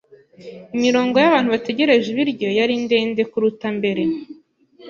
Imirongo yabantu bategereje ibiryo yari ndende kuruta mbere.